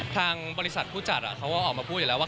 ทางบริษัทผู้จัดเขาก็ออกมาพูดอยู่แล้วว่า